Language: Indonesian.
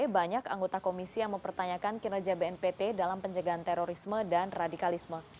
banyak anggota komisi yang mempertanyakan kinerja bnpt dalam penjagaan terorisme dan radikalisme